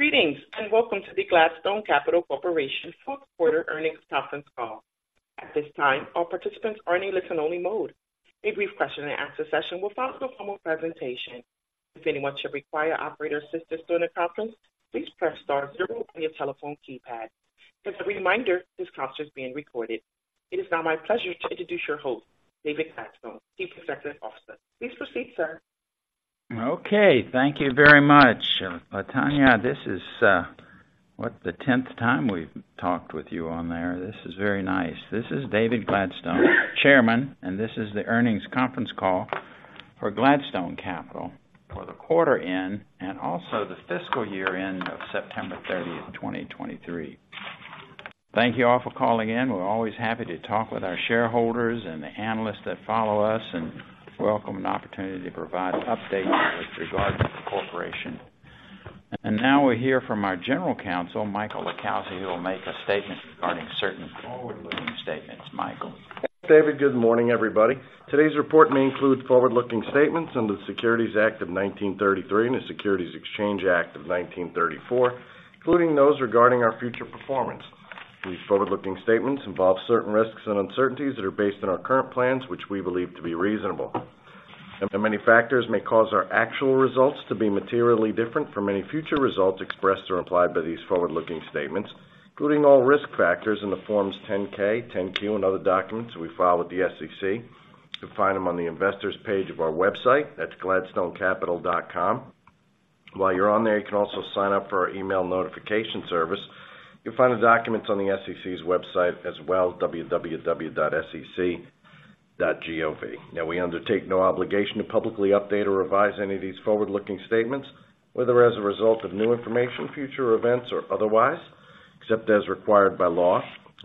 Greetings, and welcome to the Gladstone Capital Corporation fourth quarter earnings conference call. At this time, all participants are in a listen-only mode. A brief question and answer session will follow the formal presentation. If anyone should require operator assistance during the conference, please press star zero on your telephone keypad. As a reminder, this conference is being recorded. It is now my pleasure to introduce your host, David Gladstone, Chief Executive Officer. Please proceed, sir. Okay. Thank you very much, Latanya. This is, what, the 10th time we've talked with you on there. This is very nice. This is David Gladstone, Chairman, and this is the earnings conference call for Gladstone Capital for the quarter end and also the fiscal year-end of September 30, 2023. Thank you all for calling in. We're always happy to talk with our shareholders and the analysts that follow us, and welcome an opportunity to provide updates with regard to the corporation. Now we'll hear from our General Counsel, Michael LiCalsi, who will make a statement regarding certain forward-looking statements. Michael? Thanks, David. Good morning, everybody. Today's report may include forward-looking statements under the Securities Act of 1933 and the Securities Exchange Act of 1934, including those regarding our future performance. These forward-looking statements involve certain risks and uncertainties that are based on our current plans, which we believe to be reasonable. Many factors may cause our actual results to be materially different from any future results expressed or implied by these forward-looking statements, including all risk factors in the Forms 10-K, 10-Q and other documents we file with the SEC. You can find them on the Investors page of our website. That's gladstonecapital.com. While you're on there, you can also sign up for our email notification service. You'll find the documents on the SEC's website as well, www.sec.gov. Now, we undertake no obligation to publicly update or revise any of these forward-looking statements, whether as a result of new information, future events, or otherwise, except as required by law.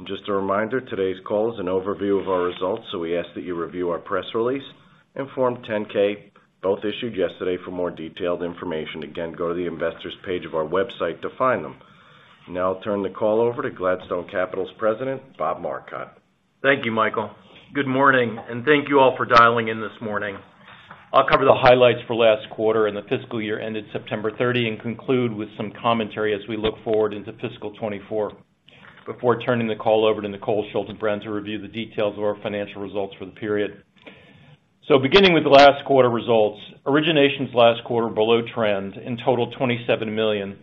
Just a reminder, today's call is an overview of our results, so we ask that you review our press release and Form 10-K, both issued yesterday, for more detailed information. Again, go to the Investors page of our website to find them. Now I'll turn the call over to Gladstone Capital's President, Bob Marcotte. Thank you, Michael. Good morning, and thank you all for dialing in this morning. I'll cover the highlights for last quarter and the fiscal year ended September 30, and conclude with some commentary as we look forward into fiscal 2024, before turning the call over to Nicole Schaltenbrand to review the details of our financial results for the period. Beginning with the last quarter results, originations last quarter below trend and totaled $27 million,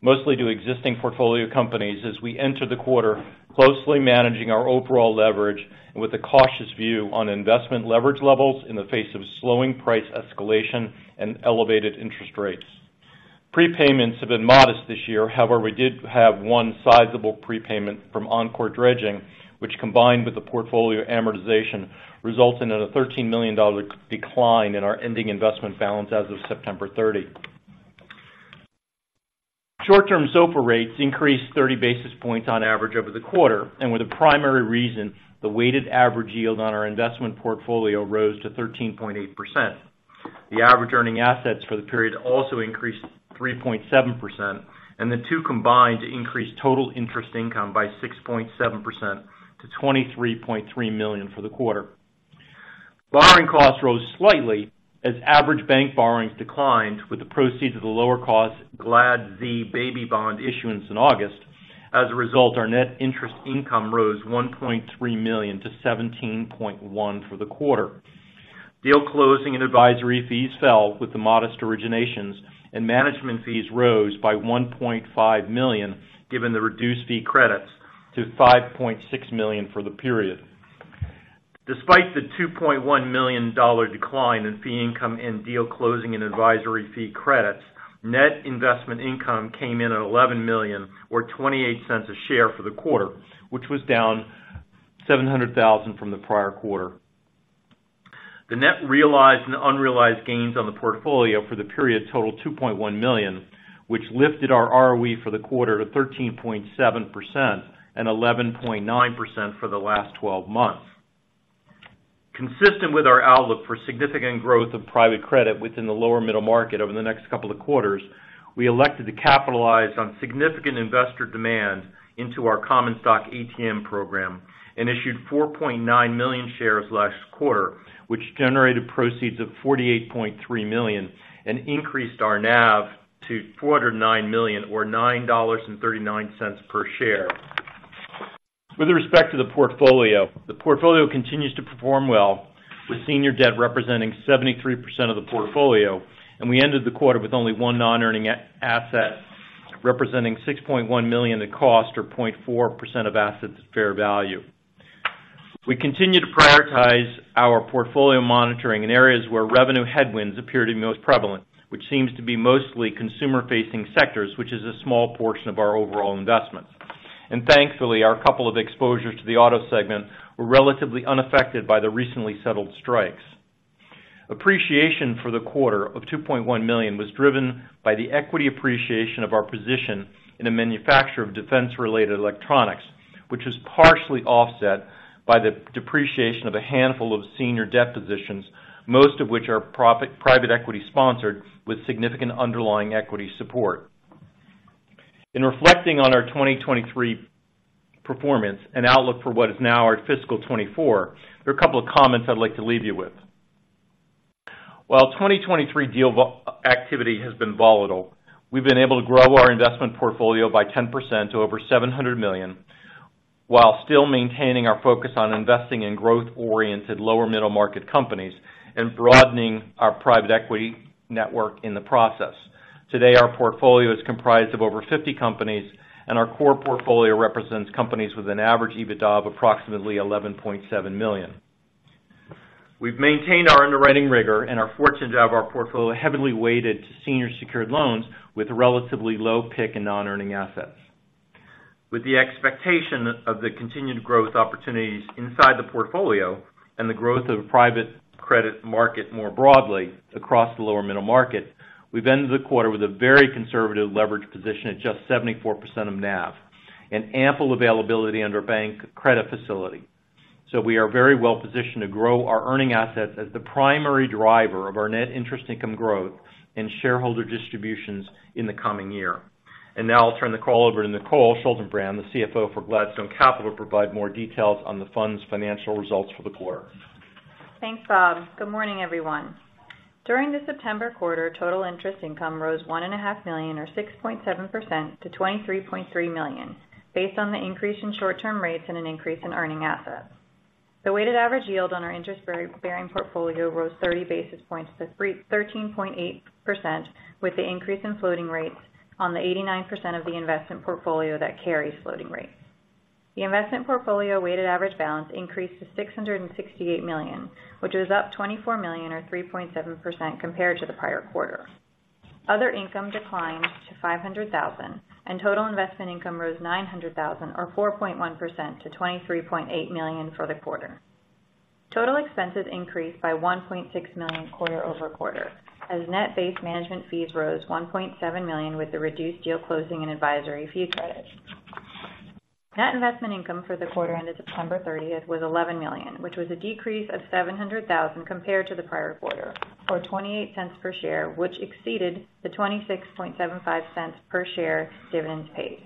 mostly to existing portfolio companies as we enter the quarter, closely managing our overall leverage and with a cautious view on investment leverage levels in the face of slowing price escalation and elevated interest rates. Prepayments have been modest this year. However, we did have one sizable prepayment from Encore Dredging, which, combined with the portfolio amortization, resulted in a $13 million decline in our ending investment balance as of September 30. Short-term SOFR rates increased 30 basis points on average over the quarter, and were the primary reason the weighted average yield on our investment portfolio rose to 13.8%. The average earning assets for the period also increased 3.7%, and the two combined increased total interest income by 6.7% to $23.3 million for the quarter. Borrowing costs rose slightly as average bank borrowings declined with the proceeds of the lower cost GLADZ baby bond issuance in August. As a result, our net interest income rose $1.3 million to $17.1 million for the quarter. Deal closing and advisory fees fell with the modest originations, and management fees rose by $1.5 million, given the reduced fee credits to $5.6 million for the period. Despite the $2.1 million decline in fee income and deal closing and advisory fee credits, net investment income came in at $11 million or $0.28 a share for the quarter, which was down $700,000 from the prior quarter. The net realized and unrealized gains on the portfolio for the period totaled $2.1 million, which lifted our ROE for the quarter to 13.7% and 11.9% for the last 12 months. Consistent with our outlook for significant growth of private credit within the lower middle market over the next couple of quarters, we elected to capitalize on significant investor demand into our common stock ATM program and issued 4.9 million shares last quarter, which generated proceeds of $48.3 million and increased our NAV to $409 million or $9.39 per share. With respect to the portfolio, the portfolio continues to perform well, with senior debt representing 73% of the portfolio, and we ended the quarter with only one non-earning asset, representing $6.1 million in cost, or 0.4% of assets fair value. We continue to prioritize our portfolio monitoring in areas where revenue headwinds appear to be most prevalent, which seems to be mostly consumer-facing sectors, which is a small portion of our overall investment. Thankfully, our couple of exposures to the auto segment were relatively unaffected by the recently settled strikes. Appreciation for the quarter of $2.1 million was driven by the equity appreciation of our position in a manufacturer of defense-related electronics, which was partially offset by the depreciation of a handful of senior debt positions, most of which are private equity sponsored, with significant underlying equity support. In reflecting on our 2023 performance and outlook for what is now our fiscal 2024, there are a couple of comments I'd like to leave you with. While 2023 deal activity has been volatile, we've been able to grow our investment portfolio by 10% to over $700 million, while still maintaining our focus on investing in growth-oriented, lower middle market companies and broadening our private equity network in the process. Today, our portfolio is comprised of over 50 companies, and our core portfolio represents companies with an average EBITDA of approximately $11.7 million. We've maintained our underwriting rigor and are fortunate to have our portfolio heavily weighted to senior secured loans with relatively low PIK and non-earning assets. With the expectation of the continued growth opportunities inside the portfolio and the growth of private credit market more broadly across the lower middle market, we've ended the quarter with a very conservative leverage position at just 74% of NAV and ample availability under our bank credit facility. So we are very well positioned to grow our earning assets as the primary driver of our net interest income growth and shareholder distributions in the coming year. Now I'll turn the call over to Nicole Schaltenbrand, the CFO for Gladstone Capital, to provide more details on the fund's financial results for the quarter. Thanks, Bob. Good morning, everyone. During the September quarter, total interest income rose $1.5 million, or 6.7% to $23.3 million, based on the increase in short-term rates and an increase in earning assets. The weighted average yield on our interest-bearing portfolio rose 30 basis points to 13.8%, with the increase in floating rates on the 89% of the investment portfolio that carries floating rates. The investment portfolio weighted average balance increased to $668 million, which was up $24 million, or 3.7% compared to the prior quarter. Other income declined to $500 thousand, and total investment income rose $900 thousand or 4.1% to $23.8 million for the quarter. Total expenses increased by $1.6 million quarter-over-quarter, as net-based management fees rose $1.7 million with the reduced deal closing and advisory fee credits. Net investment income for the quarter ended September 30 was $11 million, which was a decrease of $700,000 compared to the prior quarter, or $0.28 per share, which exceeded the $0.2675 per share dividends paid.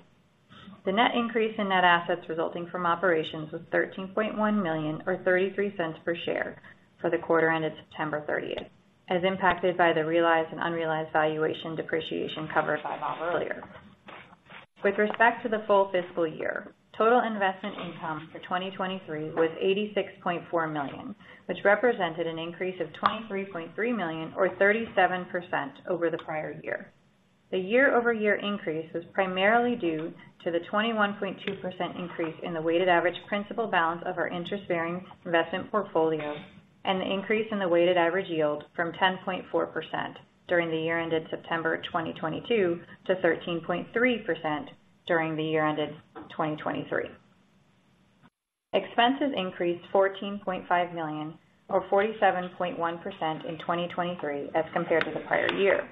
The net increase in net assets resulting from operations was $13.1 million, or $0.33 per share for the quarter ended September 30th, as impacted by the realized and unrealized valuation depreciation covered by Bob earlier. With respect to the full fiscal year, total investment income for 2023 was $86.4 million, which represented an increase of $23.3 million, or 37% over the prior year. The year-over-year increase was primarily due to the 21.2% increase in the weighted average principal balance of our interest-bearing investment portfolio, and the increase in the weighted average yield from 10.4% during the year ended September 2022, to 13.3% during the year ended 2023. Expenses increased $14.5 million or 47.1% in 2023 as compared to the prior year.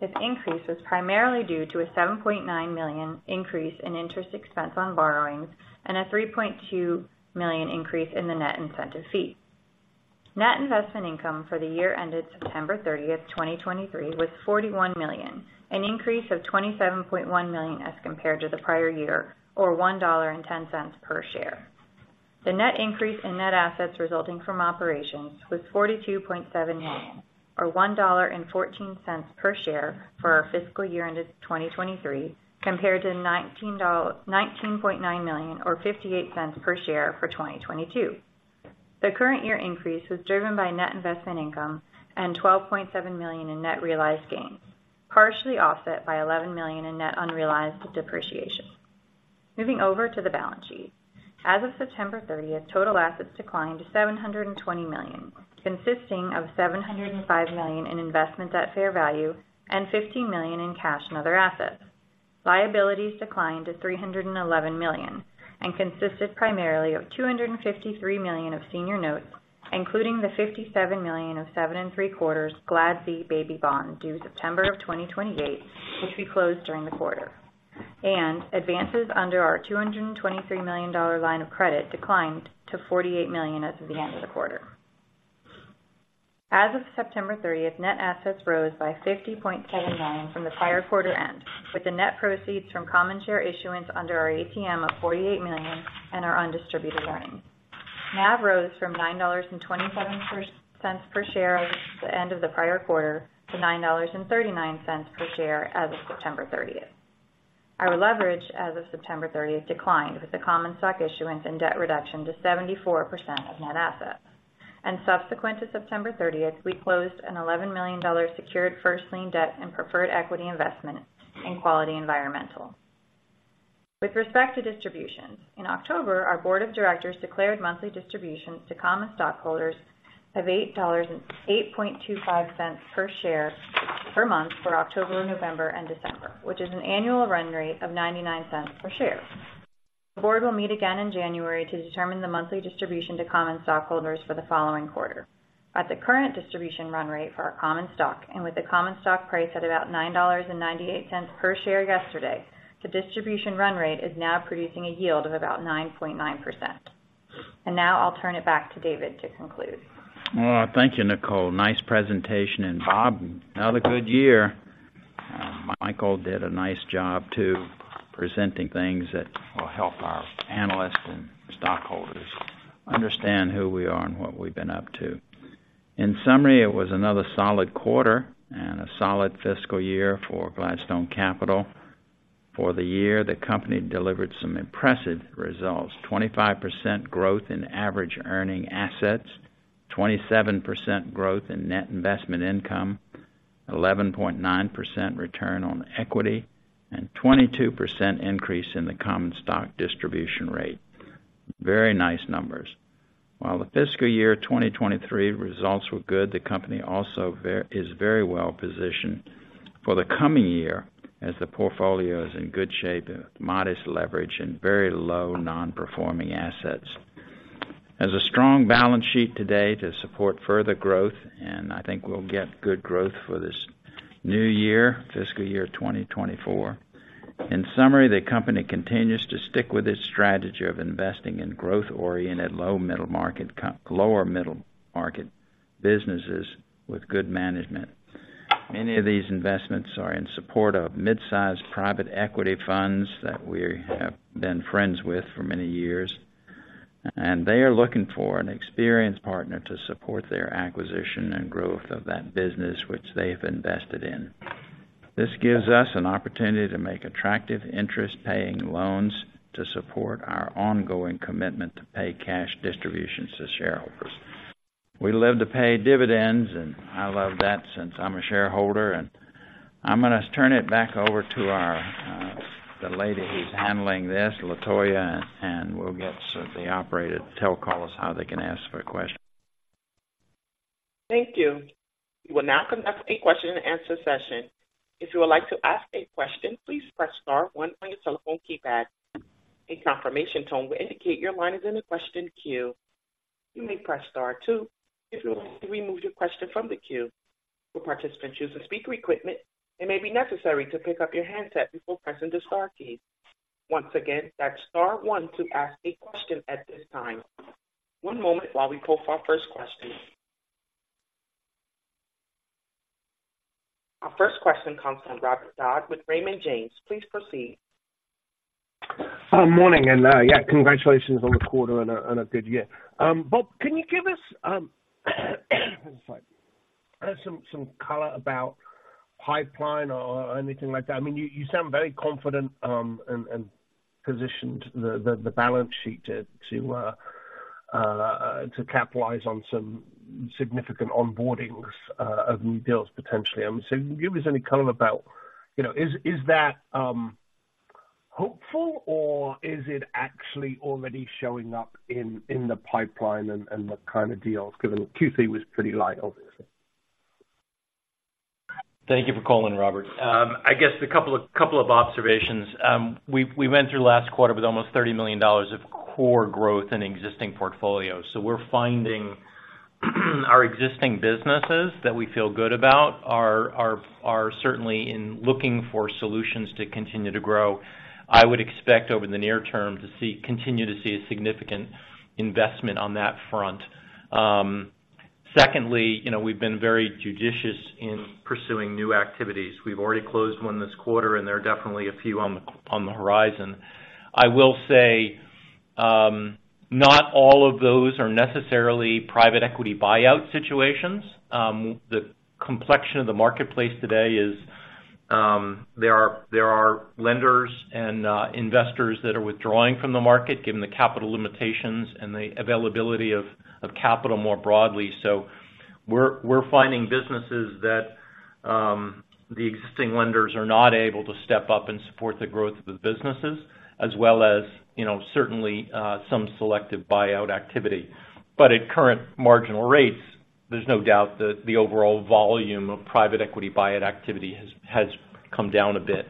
This increase was primarily due to a $7.9 million increase in interest expense on borrowings and a $3.2 million increase in the net incentive fee. Net investment income for the year ended September 30, 2023, was $41 million, an increase of $27.1 million as compared to the prior year, or $1.10 per share. The net increase in net assets resulting from operations was $42.7 million or $1.14 per share for our fiscal year ended 2023, compared to $19.9 million or $0.58 per share for 2022. The current year increase was driven by net investment income and $12.7 million in net realized gains, partially offset by $11 million in net unrealized depreciation. Moving over to the balance sheet. As of September 30th, total assets declined to $720 million, consisting of $705 million in investments at fair value and $50 million in cash and other assets. Liabilities declined to $311 million and consisted primarily of $253 million of senior notes, including the $57 million of 7.75% GLADZ baby bond due September 2028, which we closed during the quarter. Advances under our $223 million line of credit declined to $48 million as of the end of the quarter. As of September 30th, net assets rose by $50.7 million from the prior quarter end, with the net proceeds from common share issuance under our ATM of $48 million and our undistributed earnings. NAV rose from $9.27 per share at the end of the prior quarter to $9.39 per share as of September 30th. Our leverage as of September 30th declined, with the common stock issuance and debt reduction to 74% of net assets. Subsequent to September 30th, we closed an $11 million secured first lien debt and preferred equity investment in Quality Environmental. With respect to distributions, in October, our board of directors declared monthly distributions to common stockholders of $0.0825 per share per month for October, November, and December, which is an annual run rate of $0.99 per share. The board will meet again in January to determine the monthly distribution to common stockholders for the following quarter. At the current distribution run rate for our common stock and with the common stock price at about $9.98 per share yesterday, the distribution run rate is now producing a yield of about 9.9%. Now I'll turn it back to David to conclude. Well, thank you, Nicole. Nice presentation. And Bob, another good year. Michael did a nice job, too, presenting things that will help our analysts and stockholders understand who we are and what we've been up to. In summary, it was another solid quarter and a solid fiscal year for Gladstone Capital. For the year, the company delivered some impressive results. 25% growth in average earning assets, 27% growth in net investment income, 11.9% return on equity, and 22% increase in the common stock distribution rate. Very nice numbers. While the fiscal year 2023 results were good, the company also is very well positioned for the coming year as the portfolio is in good shape, modest leverage and very low non-performing assets. As a strong balance sheet today to support further growth, and I think we'll get good growth for this new year, fiscal year 2024. In summary, the company continues to stick with its strategy of investing in growth-oriented, lower middle market businesses with good management. Many of these investments are in support of mid-sized private equity funds that we have been friends with for many years, and they are looking for an experienced partner to support their acquisition and growth of that business, which they've invested in. This gives us an opportunity to make attractive interest paying loans to support our ongoing commitment to pay cash distributions to shareholders. We love to pay dividends, and I love that since I'm a shareholder, and I'm gonna turn it back over to our, the lady who's handling this, [LaToya], and we'll get the operator to tell callers how they can ask for a question. Thank you. We will now conduct a question-and-answer session. If you would like to ask a question, please press star one on your telephone keypad. A confirmation tone will indicate your line is in the question queue. You may press star two if you would like to remove your question from the queue. For participants using speaker equipment, it may be necessary to pick up your handset before pressing the star key. Once again, that's star one to ask a question at this time. One moment while we pull for our first question. Our first question comes from Robert Dodd with Raymond James. Please proceed. Morning, and yeah, congratulations on the quarter and a good year. Bob, can you give us, sorry, some color about pipeline or anything like that? I mean, you sound very confident, and positioned the balance sheet to capitalize on some significant onboardings of new deals, potentially. I mean, so can you give us any color about, you know, is that hopeful or is it actually already showing up in the pipeline and the kind of deals? Because Q2 was pretty light, obviously. Thank you for calling, Robert. I guess a couple of observations. We went through last quarter with almost $30 million of core growth in existing portfolios. So we're finding our existing businesses that we feel good about are certainly in looking for solutions to continue to grow. I would expect over the near term to see continue to see a significant investment on that front. Secondly, you know, we've been very judicious in pursuing new activities. We've already closed one this quarter, and there are definitely a few on the horizon. I will say, not all of those are necessarily private equity buyout situations. The complexion of the marketplace today is, there are lenders and investors that are withdrawing from the market, given the capital limitations and the availability of capital more broadly. So we're finding businesses that the existing lenders are not able to step up and support the growth of the businesses, as well as, you know, certainly some selective buyout activity. But at current marginal rates, there's no doubt that the overall volume of private equity buyout activity has come down a bit.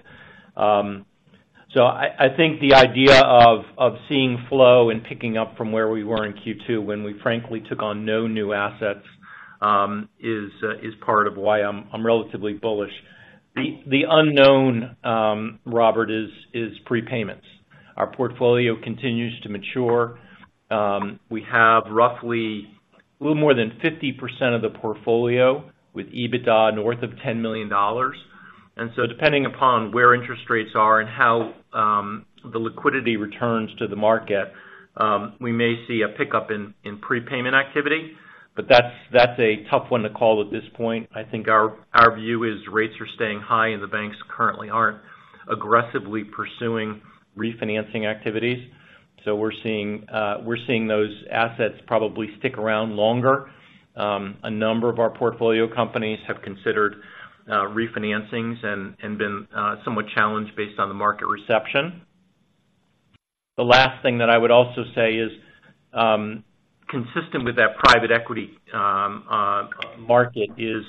So I think the idea of seeing flow and picking up from where we were in Q2 when we frankly took on no new assets is part of why I'm relatively bullish. The unknown, Robert, is prepayments. Our portfolio continues to mature. We have roughly a little more than 50% of the portfolio with EBITDA north of $10 million. So depending upon where interest rates are and how the liquidity returns to the market, we may see a pickup in, in prepayment activity, but that's, that's a tough one to call at this point. I think our view is rates are staying high, and the banks currently aren't aggressively pursuing refinancing activities. So we're seeing those assets probably stick around longer. A number of our portfolio companies have considered refinancings and been somewhat challenged based on the market reception. The last thing that I would also say is, consistent with that private equity market is,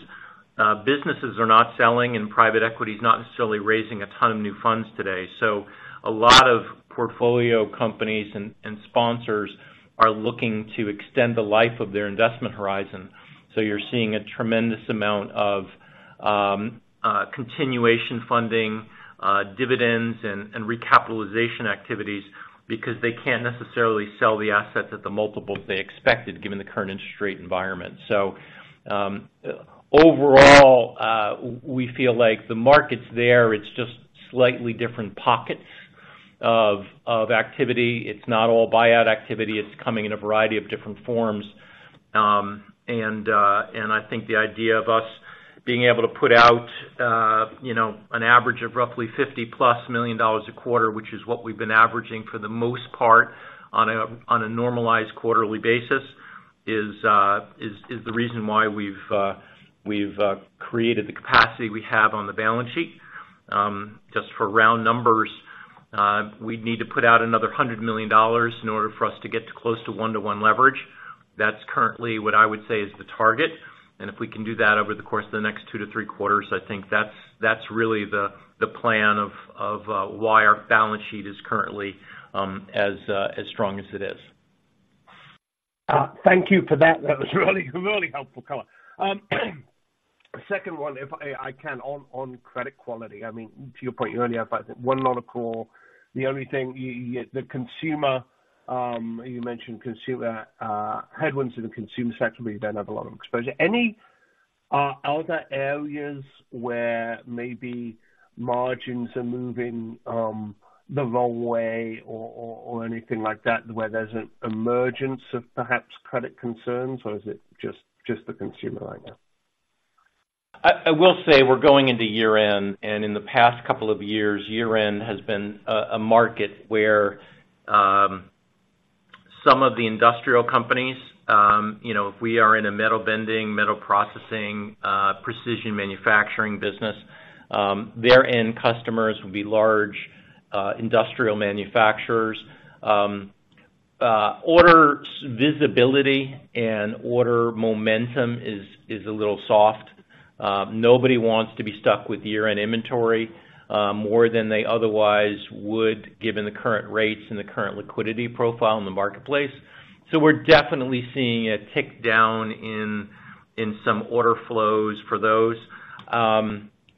businesses are not selling, and private equity is not necessarily raising a ton of new funds today. So a lot of portfolio companies and sponsors are looking to extend the life of their investment horizon. So you're seeing a tremendous amount of continuation funding, dividends and recapitalization activities because they can't necessarily sell the assets at the multiples they expected, given the current interest rate environment. So overall, we feel like the market's there, it's just slightly different pockets of activity. It's not all buyout activity. It's coming in a variety of different forms. And I think the idea of us being able to put out, you know, an average of roughly $50+ million a quarter, which is what we've been averaging for the most part on a normalized quarterly basis, is the reason why we've created the capacity we have on the balance sheet. Just for round numbers, we'd need to put out another $100 million in order for us to get to close to one-to-one leverage. That's currently what I would say is the target, and if we can do that over the course of the next two-three quarters, I think that's really the plan of why our balance sheet is currently as strong as it is. Thank you for that. That was really really helpful color. Second one, if I can, on credit quality. I mean, to your point earlier about one not a core, the only thing the consumer, you mentioned consumer headwinds in the consumer sector, we don't have a lot of exposure. Any other areas where maybe margins are moving the wrong way or anything like that, where there's an emergence of perhaps credit concerns? Or is it just the consumer right now? I will say we're going into year-end, and in the past couple of years, year-end has been a market where some of the industrial companies, you know, we are in a metal bending, metal processing, precision manufacturing business. Their end customers would be large industrial manufacturers. Order visibility and order momentum is a little soft. Nobody wants to be stuck with year-end inventory more than they otherwise would, given the current rates and the current liquidity profile in the marketplace. So we're definitely seeing a tick down in some order flows for those.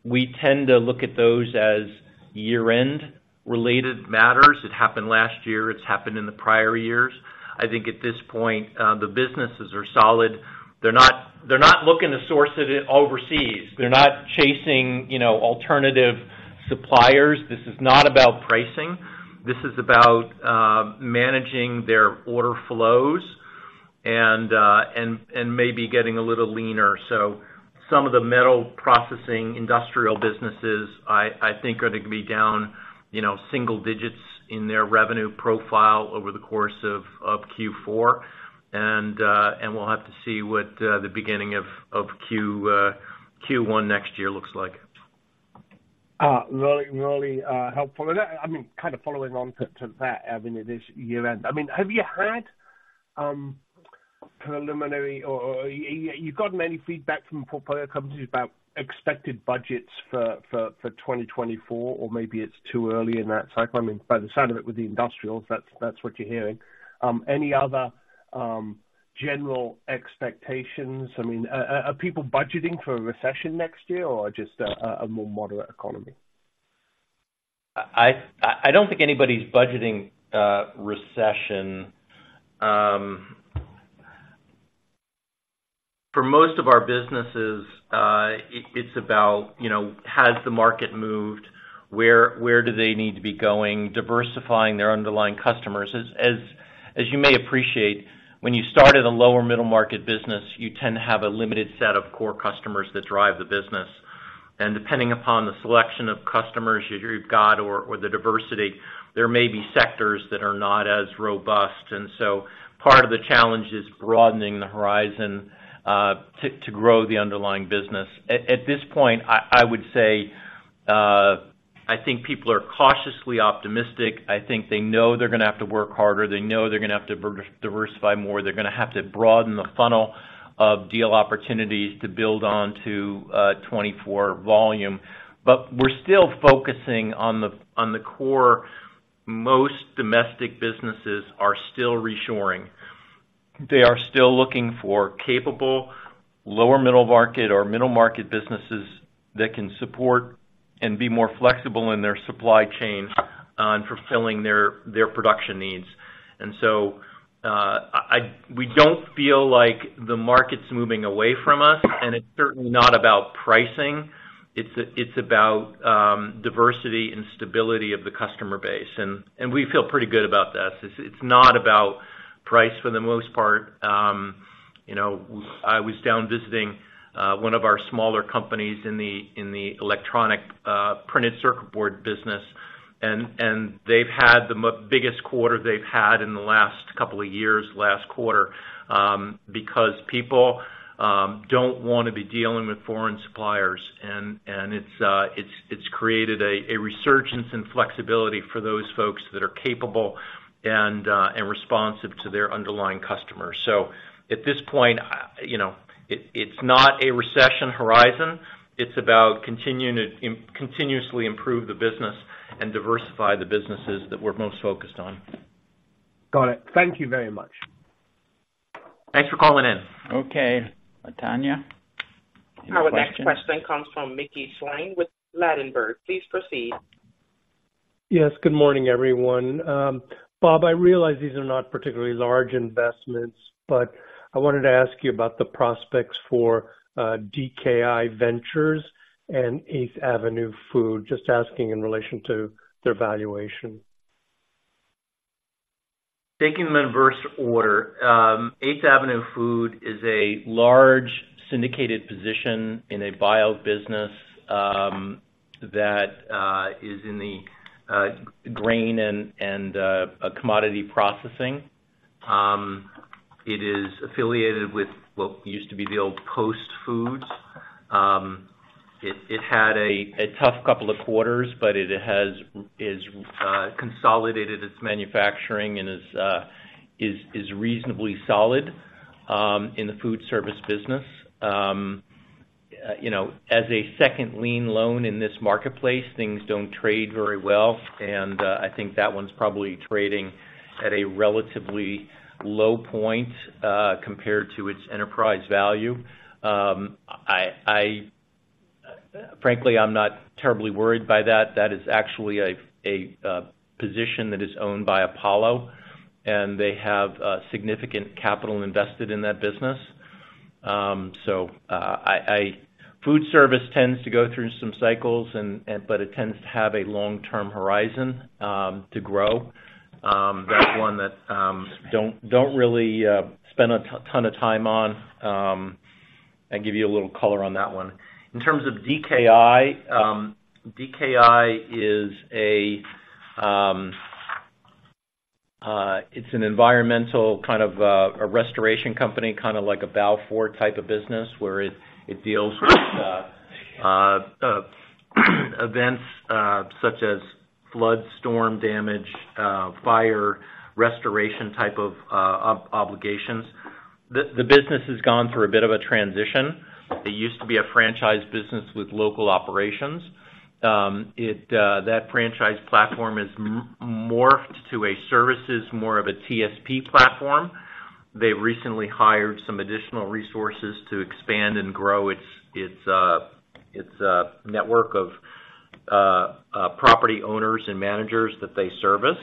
We tend to look at those as year-end related matters. It happened last year. It's happened in the prior years. I think at this point the businesses are solid. They're not, they're not looking to source it overseas. They're not chasing, you know, alternative suppliers. This is not about pricing. This is about managing their order flows and maybe getting a little leaner. So some of the metal processing industrial businesses, I think are gonna be down, you know, single digits in their revenue profile over the course of Q4. And we'll have to see what the beginning of Q1 next year looks like. Really, really helpful. I mean, kind of following on to that avenue, this year-end. I mean, have you had preliminary or you've gotten any feedback from portfolio companies about expected budgets for 2024? Or maybe it's too early in that cycle. I mean, by the sound of it, with the industrials, that's what you're hearing. Any other general expectations? I mean, are people budgeting for a recession next year or just a more moderate economy? I don't think anybody's budgeting recession. For most of our businesses, it's about, you know, has the market moved? Where do they need to be going? Diversifying their underlying customers. As you may appreciate, when you start at a lower middle market business, you tend to have a limited set of core customers that drive the business. And depending upon the selection of customers you've got or the diversity, there may be sectors that are not as robust. And so part of the challenge is broadening the horizon to grow the underlying business. At this point, I would say, I think people are cautiously optimistic. I think they know they're gonna have to work harder. They know they're gonna have to diversify more. They're gonna have to broaden the funnel of deal opportunities to build on to 2024 volume. But we're still focusing on the core. Most domestic businesses are still reshoring. They are still looking for capable, lower middle market or middle market businesses that can support and be more flexible in their supply chain on fulfilling their production needs. And so, we don't feel like the market's moving away from us, and it's certainly not about pricing. It's about diversity and stability of the customer base, and we feel pretty good about this. It's not about price for the most part. You know, I was down visiting one of our smaller companies in the electronic printed circuit board business, and they've had the biggest quarter they've had in the last couple of years last quarter, because people don't want to be dealing with foreign suppliers. And it's created a resurgence in flexibility for those folks that are capable and responsive to their underlying customers. So at this point, you know, it's not a recession horizon. It's about continuing to continuously improve the business and diversify the businesses that we're most focused on. Got it. Thank you very much. Thanks for calling in. Okay, Latanya? Next question. Our next question comes from Mickey Schleien with Ladenburg. Please proceed. Yes, good morning, everyone. Bob, I realize these are not particularly large investments, but I wanted to ask you about the prospects for DKI Ventures and 8th Avenue Food. Just asking in relation to their valuation. Taking them in reverse order. 8th Avenue Food is a large syndicated position in a buyout business that is in the grain and commodity processing. It is affiliated with what used to be the old Post Foods. It had a tough couple of quarters, but it has consolidated its manufacturing and is reasonably solid in the food service business. You know, as a second lien loan in this marketplace, things don't trade very well, and I think that one's probably trading at a relatively low point compared to its enterprise value. Frankly, I'm not terribly worried by that. That is actually a position that is owned by Apollo, and they have significant capital invested in that business. Food service tends to go through some cycles and but it tends to have a long-term horizon to grow. That's one that don't really spend a ton of time on, and give you a little color on that one. In terms of DKI, DKI is a, it's an environmental kind of a restoration company, kind of like a BELFOR-type of business, where it deals with events, such as flood, storm damage, fire restoration type of obligations. The business has gone through a bit of a transition. It used to be a franchise business with local operations. It that franchise platform is morphed to a services, more of a TSP platform. They recently hired some additional resources to expand and grow its network of property owners and managers that they service.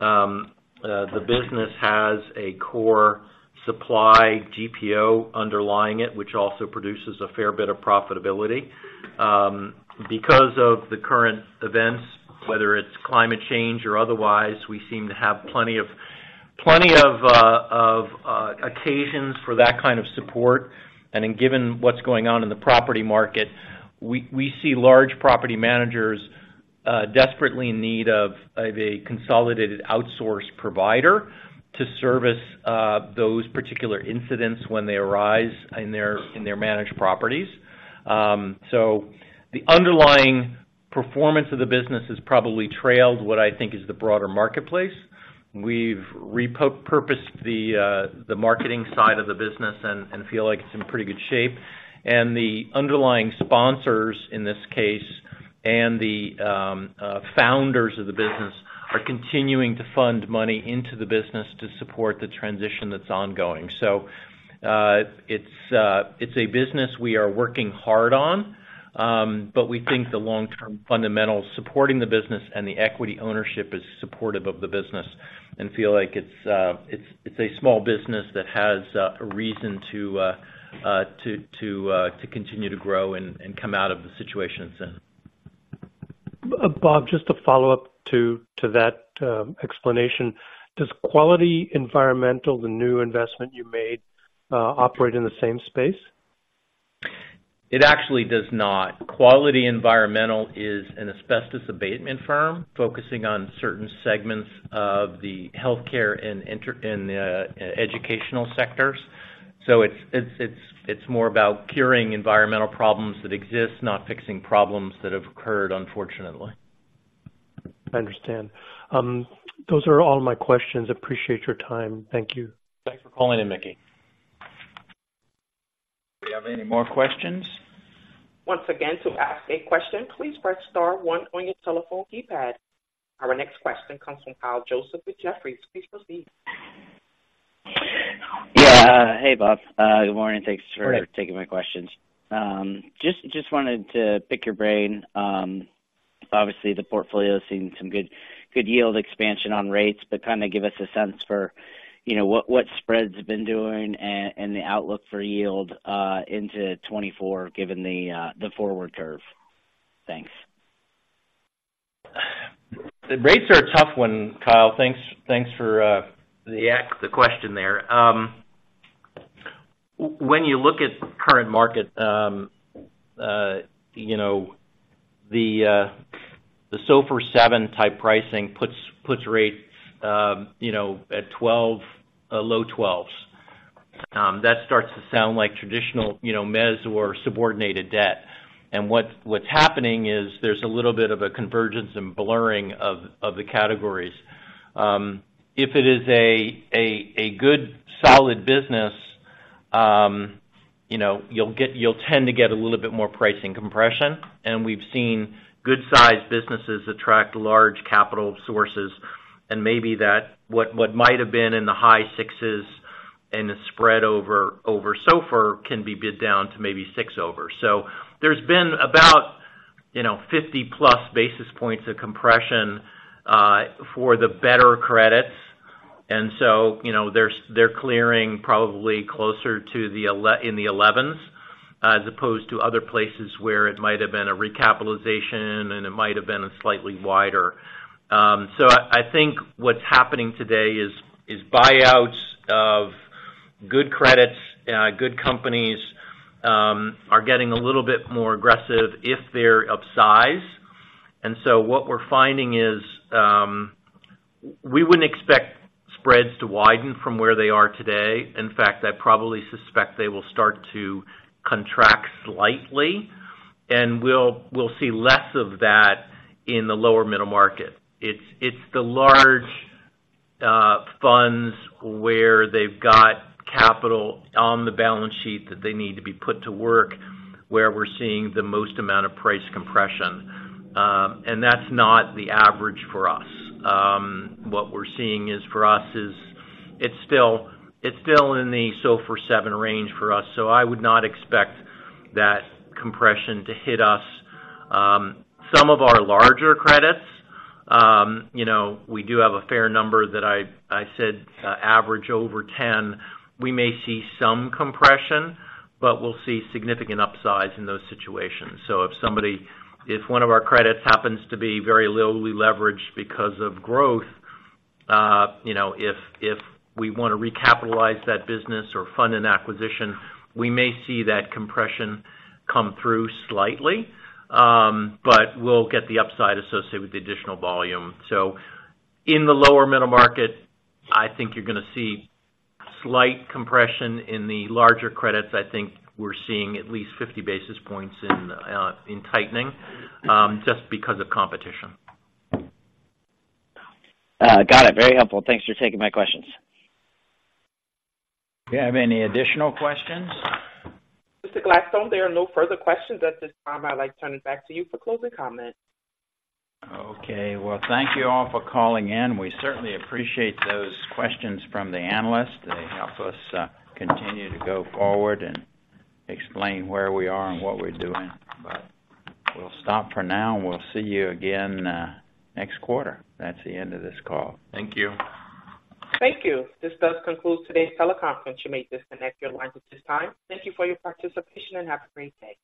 The business has a core supply GPO underlying it, which also produces a fair bit of profitability. Because of the current events, whether it's climate change or otherwise, we seem to have plenty of occasions for that kind of support. And then given what's going on in the property market, we see large property managers desperately in need of a consolidated outsourced provider to service those particular incidents when they arise in their managed properties. So the underlying performance of the business has probably trailed what I think is the broader marketplace. We've repurposed the marketing side of the business and feel like it's in pretty good shape. The underlying sponsors in this case and the founders of the business are continuing to fund money into the business to support the transition that's ongoing. It's a business we are working hard on, but we think the long-term fundamentals supporting the business and the equity ownership is supportive of the business and feel like it's a small business that has a reason to continue to grow and come out of the situation it's in. Bob, just to follow up to that explanation. Does Quality Environmental, the new investment you made, operate in the same space? It actually does not. Quality Environmental is an asbestos abatement firm, focusing on certain segments of the healthcare and educational sectors. So it's more about curing environmental problems that exist, not fixing problems that have occurred, unfortunately. I understand. Those are all my questions. Appreciate your time. Thank you. Thanks for calling in, Mickey. Do you have any more questions? Once again, to ask a question, please press star one on your telephone keypad. Our next question comes from Kyle Joseph with Jefferies. Please proceed. Yeah. Hey, Bob. Good morning. Thanks for taking my questions. Just, just wanted to pick your brain. Obviously, the portfolio has seen some good, good yield expansion on rates, but kind of give us a sense for, you know, what, what spreads have been doing and the outlook for yield into 2024, given the forward curve? Thanks. The rates are a tough one, Kyle. Thanks, thanks for the question there. When you look at current market, you know, the SOFR seven type pricing puts rates, you know, at 12, low 12s. That starts to sound like traditional, you know, mezz or subordinated debt. And what's happening is there's a little bit of a convergence and blurring of the categories. If it is a good, solid business, you know, you'll get—you'll tend to get a little bit more pricing compression, and we've seen good-sized businesses attract large capital sources, and maybe what might have been in the high sixes and the spread over SOFR can be bid down to maybe six over. So there's been about, you know, 50+ basis points of compression for the better credits. And so, you know, they're clearing probably closer to the in the 11s as opposed to other places where it might have been a recapitalization, and it might have been a slightly wider. So I think what's happening today is buyouts of good credits, good companies are getting a little bit more aggressive if they're of size. And so what we're finding is, we wouldn't expect spreads to widen from where they are today. In fact, I probably suspect they will start to contract slightly, and we'll see less of that in the lower middle market. It's the large funds where they've got capital on the balance sheet that they need to be put to work, where we're seeing the most amount of price compression. And that's not the average for us. What we're seeing for us is it's still in the SOFR seven range for us, so I would not expect that compression to hit us. Some of our larger credits, you know, we do have a fair number that I said average over 10. We may see some compression, but we'll see significant upsides in those situations. So if somebody—if one of our credits happens to be very lowly leveraged because of growth, you know, if, if we want to recapitalize that business or fund an acquisition, we may see that compression come through slightly, but we'll get the upside associated with the additional volume. So in the lower middle market, I think you're gonna see slight compression in the larger credits. I think we're seeing at least 50 basis points in tightening, just because of competition. Got it. Very helpful. Thanks for taking my questions. Do you have any additional questions? Mr. Gladstone, there are no further questions at this time. I'd like to turn it back to you for closing comments. Okay. Well, thank you all for calling in. We certainly appreciate those questions from the analysts. They help us continue to go forward and explain where we are and what we're doing. But we'll stop for now, and we'll see you again next quarter. That's the end of this call. Thank you. Thank you. This does conclude today's teleconference. You may disconnect your lines at this time. Thank you for your participation, and have a great day.